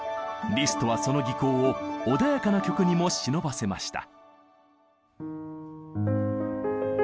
リストはその技巧を穏やかな曲にも忍ばせました。